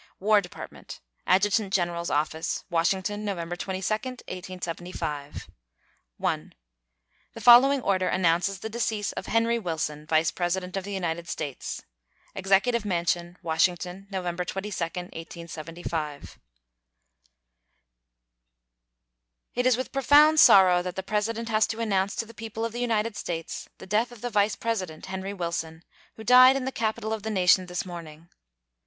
WAR DEPARTMENT, ADJUTANT GENERAL'S OFFICE, Washington, November 22, 1875. I. The following order announces the decease of Henry Wilson, Vice President of the United States: EXECUTIVE MANSION, Washington, November 22, 1875. It is with profound sorrow that the President has to announce to the people of the United States the death of the Vice President, Henry Wilson, who died in the Capitol of the nation this morning.